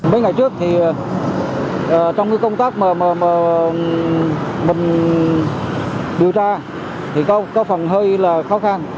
mấy ngày trước thì trong cái công tác mà mình điều tra thì có phần hơi là khó khăn